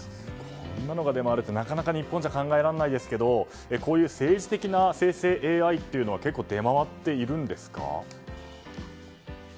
こんなのが出回るってなかなか日本じゃ考えられないですがこういう政治的な生成ＡＩは結構出回っているんですか？